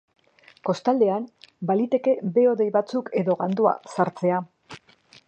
Kostaldean, baliteke behe-hodei batzuk edo gandua sartzea.